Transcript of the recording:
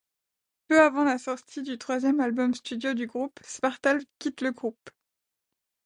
Peu avant la sortie du troisième album studio du groupe, Svartalv quitte le groupe.